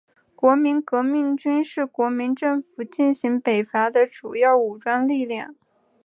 国民革命军是国民政府进行北伐的主要武装力量。